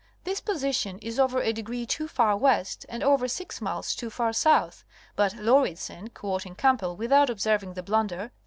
This position is over a degree too far west and over six miles too far south. But Lauridsen (quoting Camp bell without observing the blunder?)